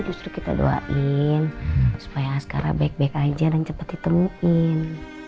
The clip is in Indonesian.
justru kita doain supaya sekarang baik baik aja dan cepat ditemuin